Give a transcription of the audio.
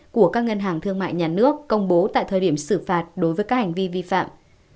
của các ngân hàng thương mại nhà nước công bố tại thời điểm xử phạt đối với các hành vi vi phạm